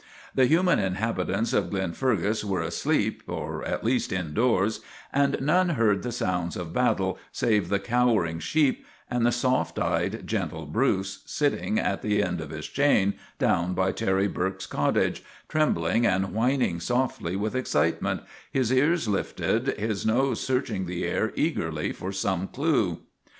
The human inhabitants of Glenfergus were asleep or at least indoors, and none heard the sounds of battle save the cowering sheep and the soft eyed, gentle Bruce, sitting at the end of his chain down by Terry Burke' s cottage, trembling and whining softly with excitement, his ears lifted, his nose searching the air eagerly for some clue.